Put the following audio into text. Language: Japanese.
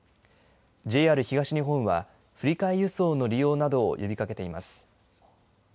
ＪＲ東日本は、振り替え輸送の利用などを呼びかけています。